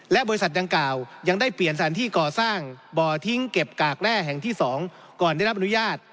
และบริษัทดังกล่าวยังได้เปลี่ยนสถานที่ก่อสร้างบ่อทิ้งเก็บกากแร่แห่งที่๒ก่อนได้รับอนุญาต